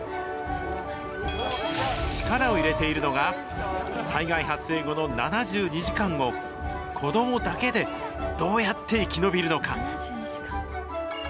力を入れているのが、災害発生後の７２時間を、子どもだけでどうやって生き延びるのか。